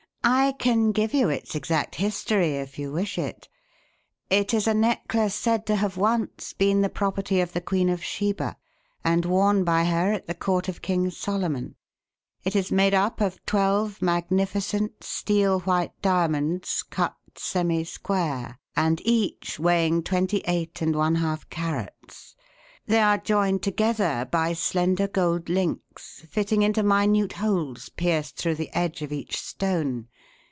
"I can give you its exact history if you wish it. It is a necklace said to have once been the property of the Queen of Sheba and worn by her at the court of King Solomon. It is made up of twelve magnificent steel white diamonds, cut semi square, and each weighing twenty eight and one half carats. They are joined together by slender gold links fitting into minute holes pierced through the edge of each stone.